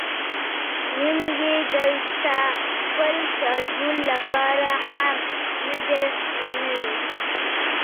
نیم یې دلته د خپل تربور لپاره هم نه دی منلی.